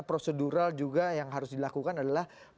prosedural juga yang harus dilakukan adalah